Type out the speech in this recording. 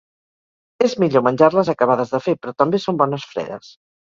És millor menjar-les acabades de fer però també són bones fredes.